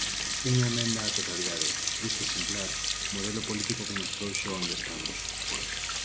Unha emenda á totalidade, disque exemplar, modelo político que nos trouxo a onde estamos.